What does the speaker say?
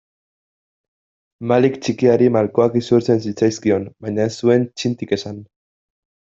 Malik txikiari malkoak isurtzen zitzaizkion baina ez zuen txintik esan.